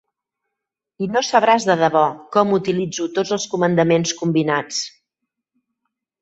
I no sabràs de debò com utilitzo tots els comandaments combinats.